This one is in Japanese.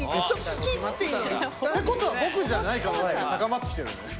ってことは僕じゃない可能性が高まってきてるよね。